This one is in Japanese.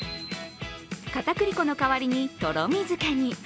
片栗粉の代わりに、とろみづけに。